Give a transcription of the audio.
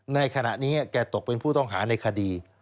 ในขณะนี้แกตกเป็นผู้ต้องหาในคดี